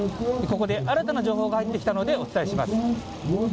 ここで新たな情報が入ってきたので、お伝えします。